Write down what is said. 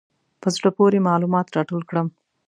په زړه پورې معلومات راټول کړم.